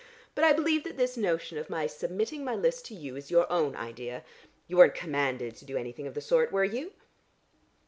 But I believe that this notion of my submitting my list to you is your own idea. You weren't commanded to do anything of the sort, were you?"